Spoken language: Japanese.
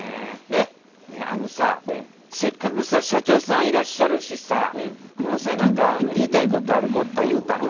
ねえあのさせっかくさ社長さんいらっしゃるしさこの際何か言いたいことある子おったら言うたら？